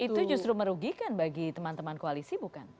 itu justru merugikan bagi teman teman koalisi bukan